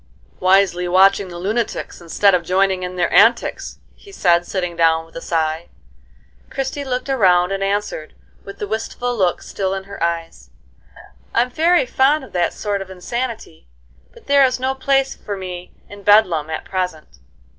"Wisely watching the lunatics, instead of joining in their antics," he said, sitting down with a sigh. Christie looked around and answered, with the wistful look still in her eyes: "I'm very fond of that sort of insanity; but there is no place for me in Bedlam at present."